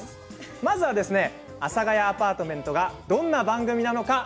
まずは「阿佐ヶ谷アパートメント」がどんな番組なのか